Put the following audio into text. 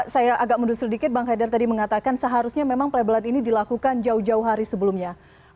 saya agak mendusur sedikit bang haidar tadi mengatakan seharusnya memang play ball out ini dilakukan jauh jauh hari sebelumnya